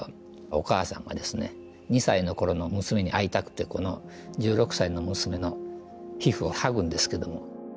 お母さんがですね２歳の頃の娘に会いたくてこの１６歳の娘の皮膚を剥ぐんですけども。